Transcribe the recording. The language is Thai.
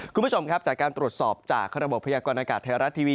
คุณผู้ชมครับจากการตรวจสอบจากระบบพยากรณากาศไทยรัฐทีวี